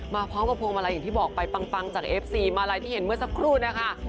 มาพร้อมกับพวงมาลัยอย่างที่บอกไปปังจากเอฟซีมาลัยที่เห็นเมื่อสักครู่นะคะ